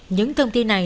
những thông tin này